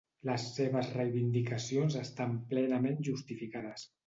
Les seves reivindicacions estan plenament justificades.